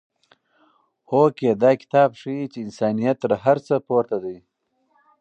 هوکې دا کتاب ښيي چې انسانیت تر هر څه پورته دی.